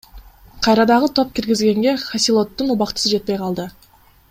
Кайра дагы топ киргизгенге Хосилоттун убактысы жетпей калды.